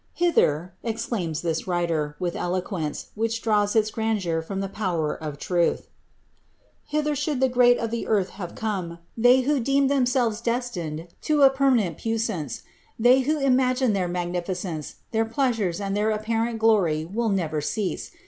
' exclaims this writer, with eloquence, which draws its >m the power of truth — ^'hither should the great of the come ; they who deem themselves destined to a permanent they who imagine their magnificence, their pleasures, and tnt glory will never cease